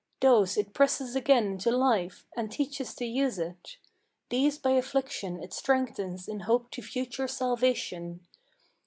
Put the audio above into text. Those it presses again into life, and teaches to use it; These by affliction it strengthens in hope to future salvation.